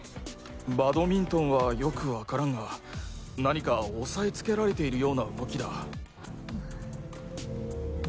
バドミントンはよくわからんが何か押さえつけられているような動きだ。